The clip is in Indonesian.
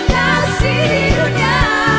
kasih di dunia